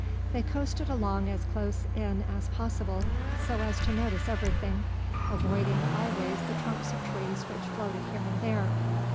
They coasted along as close in as possible, so as to notice everything, avoiding always the trunks of trees which floated here and there.